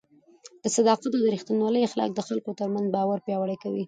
د صداقت او رښتینولۍ اخلاق د خلکو ترمنځ باور پیاوړی کوي.